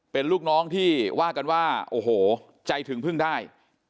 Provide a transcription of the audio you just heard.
เป็นลูกน้องที่ว่ากันว่าโอ้โหใจถึงพึ่งได้